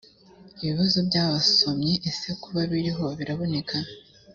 ibibazo by abasomyi ese kuba biriho biraboneka?